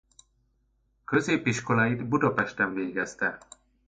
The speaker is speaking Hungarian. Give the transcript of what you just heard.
Középiskoláit Budapesten végezte.